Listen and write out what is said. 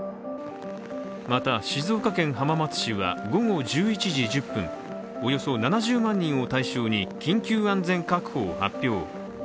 また静岡県浜松市では午後１１時１０分、およそ７０万人を対象に、緊急安全確保を発表。